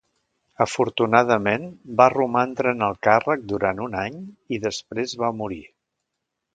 Afortunadament, va romandre en el càrrec durant un any i després va morir.